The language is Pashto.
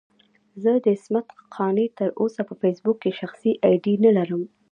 زه عصمت قانع تر اوسه په فېسبوک کې شخصي اې ډي نه لرم.